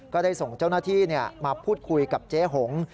ก็ได้ส่งเจ้าหน้าที่มาพูดคุยกับเจ๊หง